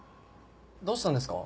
どうしたんですか？